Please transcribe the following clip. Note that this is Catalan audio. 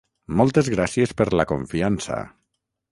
Moltes gràcies per la confiança.